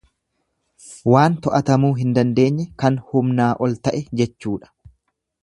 Waan to'atamuu hin dandeenye, kan humnaa ol ta'e jechuudha.